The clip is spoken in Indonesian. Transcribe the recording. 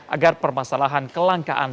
agar permasalahan kelangkaan